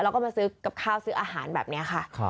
แล้วก็มาซื้อกับข้าวซื้ออาหารแบบนี้ค่ะ